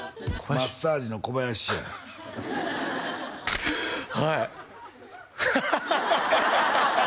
マッサージの小林やはいハハハ！